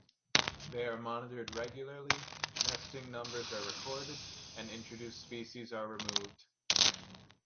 They are monitored regularly, nesting numbers are recorded, and introduced species are removed.